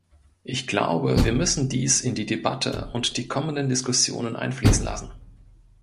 Ich glaube, wir müssen dies in die Debatte und die kommenden Diskussionen einfließen lassen.